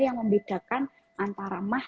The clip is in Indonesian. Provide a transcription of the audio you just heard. yang membedakan antara mah